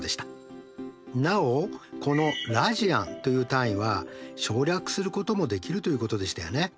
なおこのラジアンという単位は省略することもできるということでしたよね。